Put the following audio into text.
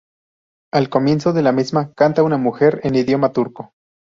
Al comienzo de la misma, canta una mujer en idioma turco.